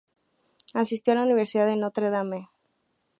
Asistió a la Universidad de Notre Dame.